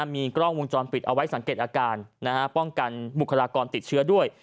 มีกล้องวงจรปิดเอาไว้สังเกตอาการป้องกันบุคลากรติดเชื้อด้วย